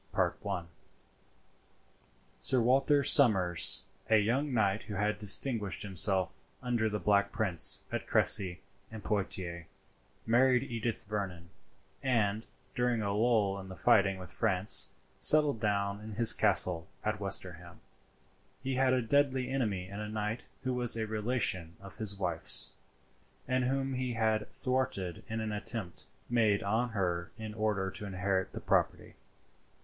"* [Sir Walter Somers, a young knight who had distinguished himself under the Black Prince at Crecy and Poitiers, married Edith Vernon; and, during a lull in the fighting with France, settled down in his castle at Westerham. He had a deadly enemy in a knight who was a relation of his wife's, and whom he had thwarted in an attempt made on her in order to inherit the property.